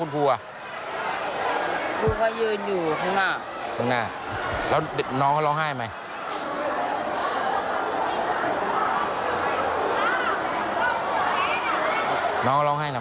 เดี๋ยวแป๊บหน่อยครับ